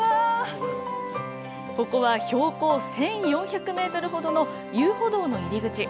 ここは標高１４００メートルほどの遊歩道の入り口。